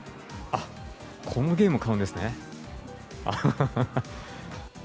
あっ、このゲーム買うんですね。